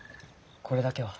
これだけは。